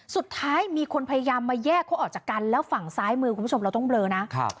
สุดท้ายมีคนพยายามมาแยกเขาออกจากกันแล้วฝั่งซ้ายมือคุณผู้ชมเราต้องเลอนะครับ